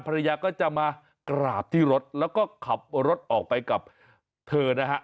ภรรยาก็จะมากราบที่รถแล้วก็ขับรถออกไปกับเธอนะฮะ